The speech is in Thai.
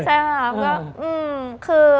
ใช่ปะ